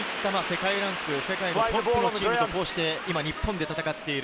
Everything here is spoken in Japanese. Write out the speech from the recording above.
世界のトップのチームと今日本で戦っている。